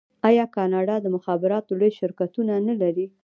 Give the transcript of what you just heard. آیا کاناډا د مخابراتو لوی شرکتونه نلري؟